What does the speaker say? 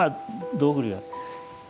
道具類が。